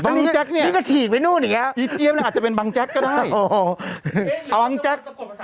นี่ก็ฉีกไปนู่นเนี้ยอีเจี๊ยบน่ะอาจจะเป็นบังแจ๊กก็ได้อ๋อเอาบังแจ๊ก